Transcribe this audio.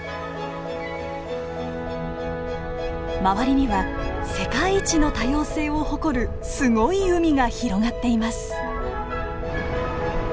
周りには世界一の多様性を誇るすごい海が広がっています。